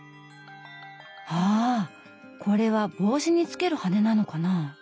あぁこれは帽子につける羽根なのかなぁ。